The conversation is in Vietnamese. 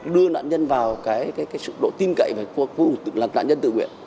đưa nạn nhân vào sự độ tin cậy của nạn nhân tự nguyện